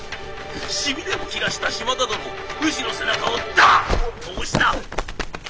しびれを切らした島田殿ウシの背中をドン！と押した！